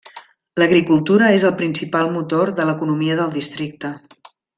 L'agricultura és el principal motor de l'economia del districte.